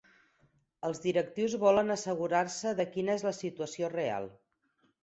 Els directius volen assegurar-se de quina és la situació real.